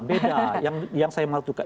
beda yang saya melakukan